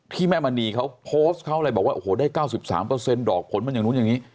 แม่มณีเขาโพสต์เขาเลยบอกว่าโอ้โหได้๙๓ดอกผลมันอย่างนู้นอย่างนี้